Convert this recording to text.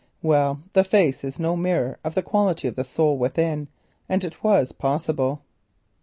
Well, the face is no mirror of the quality of the soul within, and it was possible.